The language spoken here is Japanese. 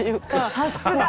さすが！